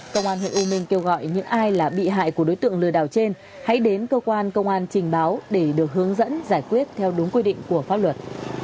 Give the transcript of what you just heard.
công an huyện u minh kêu gọi những ai là bị hại của đối tượng lừa đảo trên hãy đến cơ quan công an trình báo để được hướng dẫn giải quyết theo đúng quy định của pháp luật